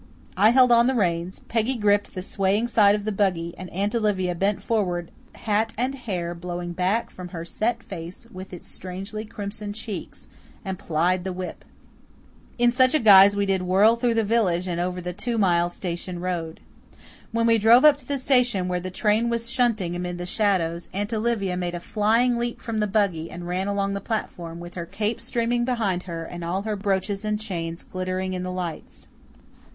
I held on the reins, Peggy gripped the swaying side of the buggy, and Aunt Olivia bent forward, hat and hair blowing back from her set face with its strangely crimson cheeks, and plied the whip. In such a guise did we whirl through the village and over the two mile station road. When we drove up to the station, where the train was shunting amid the shadows, Aunt Olivia made a flying leap from the buggy and ran along the platform, with her cape streaming behind her and all her brooches and chains glittering in the lights.